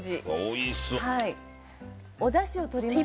おだしをとりまして。